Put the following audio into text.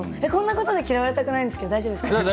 こんなことで嫌われたくないんですけど大丈夫ですか。